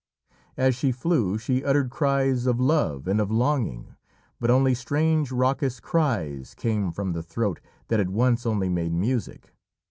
As she flew, she uttered cries of love and of longing, but only strange raucous cries came from the throat that had once only made music.